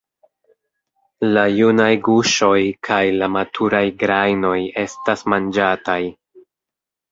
La junaj guŝoj kaj la maturaj grajnoj estas manĝataj.